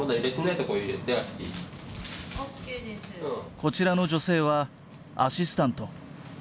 こちらの女性はアシスタント。